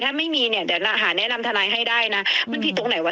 ถ้าไม่มีเนี่ยเดี๋ยวหาแนะนำทนายให้ได้นะมันผิดตรงไหนวะ